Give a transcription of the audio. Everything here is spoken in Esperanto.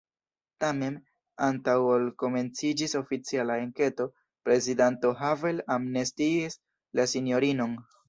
Tamen, antaŭ ol komenciĝis oficiala enketo, prezidanto Havel amnestiis la sinjorinon.